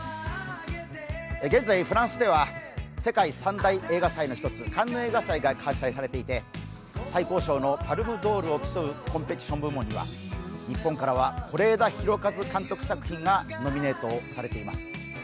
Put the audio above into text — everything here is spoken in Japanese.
現在、フランスでは世界三大映画祭の一つ、カンヌ映画祭が開催されていて最高賞のパルムドールを競うコンペティション部門には日本からは是枝裕和監督作品がノミネートされています。